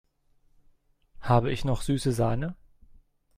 Habe ich noch süße Sahne?